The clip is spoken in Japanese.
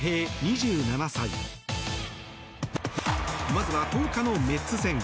まずは、１０日のメッツ戦。